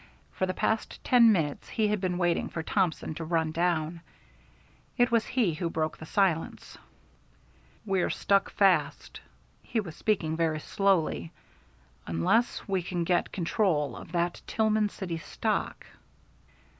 For the past ten minutes he had been waiting for Thompson to run down. It was he who broke the silence. "We're stuck fast" he was speaking very slowly "unless we can get control of that Tillman City stock."